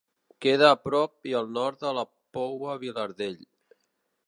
Queda a prop i al nord de la Poua Vilardell.